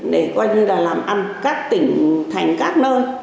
để coi như là làm ăn các tỉnh thành các nơi